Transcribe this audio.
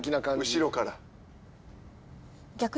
後ろから？